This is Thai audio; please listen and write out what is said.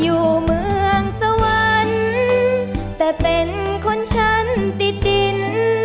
อยู่เมืองสวรรค์แต่เป็นคนฉันติดดิน